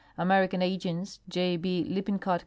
American agents, J. B. Lippincott Co.